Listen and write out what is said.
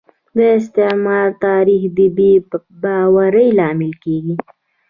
د استعمار تاریخ د بې باورۍ لامل کیږي